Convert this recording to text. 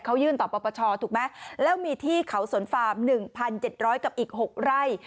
เขายื่นต่อปปชถูกไหมแล้วมีที่เขาสนฟาร์ม๑๗๐๐กับอีก๖ไร่